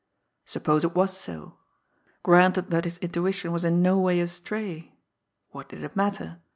Suppose it was so! Granted that his intuition was in no way astray! What did it matter?